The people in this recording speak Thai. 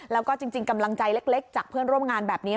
แล้วก็จริงกำลังใจเล็กจากเพื่อนร่วมงานแบบนี้